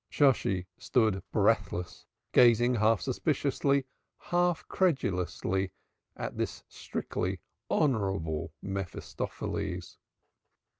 Shosshi stood breathless, gazing half suspiciously, half credulously at his strictly honorable Mephistopheles.